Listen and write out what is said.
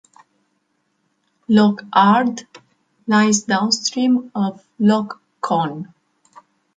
Loch Ard lies downstream of Loch Chon.